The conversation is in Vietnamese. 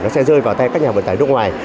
nó sẽ rơi vào tay các nhà vận tải nước ngoài